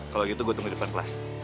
kalau gitu gue tunggu di depan kelas